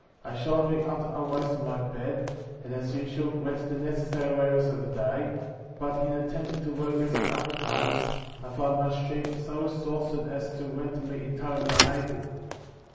48. I shortly after arose from my bed, and, as usual, went to the necessary labors of the day; but, in attempting to work as at other times, I found my strength so exhausted as to render me entirely unable.